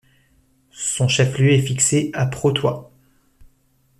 Son chef-lieu est fixé à Prauthoy.